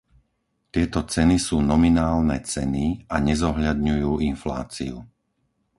Tieto ceny sú nominálne ceny a nezohľadňujú infláciu.